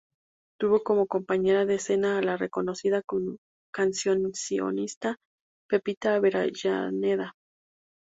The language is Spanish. Tuvo como compañera de escena a la reconocida cancionista Pepita Avellaneda.